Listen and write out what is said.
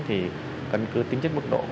thì cân cư tính chất mức độ